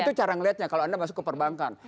itu cara ngelihatnya kalau anda masuk ke perbankan